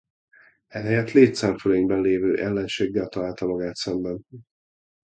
Ehelyett létszámfölényben lévő ellenséggel találta magát szemben.